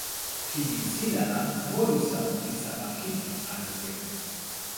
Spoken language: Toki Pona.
pilin sina la molusa li sama pipi anu seme?